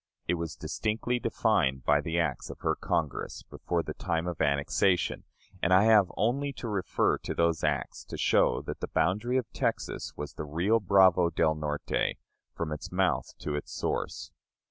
It was distinctly defined by the acts of her Congress, before the time of annexation; and I have only to refer to those acts to show that the boundary of Texas was the Rio Bravo del Norte, from its mouth to its source.